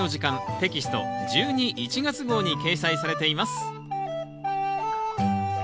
テキスト１２・１月号に掲載されています。